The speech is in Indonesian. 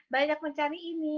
banyak mencari ini